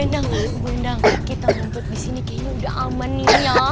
eh bu endang kita ngumpet disini kayaknya udah aman nih ya